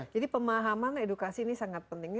jadi pemahaman edukasi ini sangat penting